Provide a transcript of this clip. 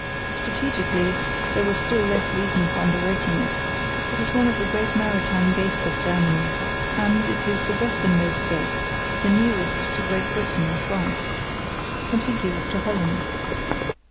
Strategically there was still less reason for underrating it. It is one of the great maritime gates of Germany; and it is the westernmost gate, the nearest to Great Britain and France, contiguous to Holland.